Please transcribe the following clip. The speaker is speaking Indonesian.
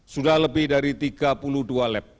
sudah lebih dari tiga puluh dua lab